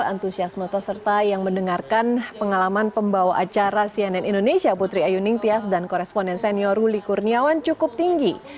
antusiasme peserta yang mendengarkan pengalaman pembawa acara cnn indonesia putri ayu ningtyas dan koresponden senior ruli kurniawan cukup tinggi